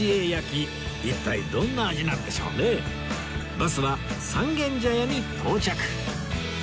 バスは三軒茶屋に到着